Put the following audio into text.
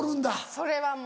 それはもう。